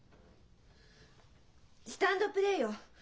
スタンドプレーよ！